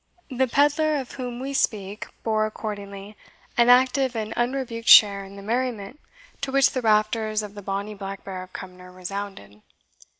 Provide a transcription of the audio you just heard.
The pedlar of whom we speak bore, accordingly, an active and unrebuked share in the merriment to which the rafters of the bonny Black Bear of Cumnor resounded.